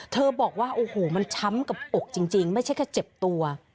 บอกว่าโอ้โหมันช้ำกับอกจริงไม่ใช่แค่เจ็บตัว